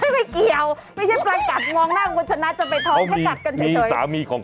ไม่เกี่ยวไม่ใช่การกัดงองหน้าคุณชนะจะไปท้อง